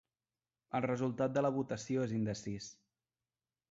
El resultat de la votació és indecís.